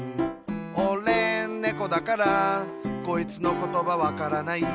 「おれ、ねこだからこいつの言葉わからない」